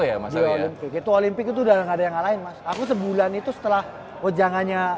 ya masanya itu olimpik itu udah nggak ada yang lain mas aku sebulan itu setelah wajangannya